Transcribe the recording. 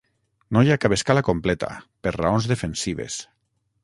No hi ha cap escala completa, per raons defensives.